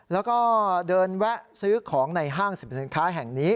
แล้วก็เดินแวะซื้อของในห้างสรรพสินค้าแห่งนี้